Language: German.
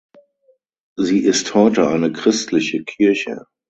Sie ist heute eine christliche Kirche.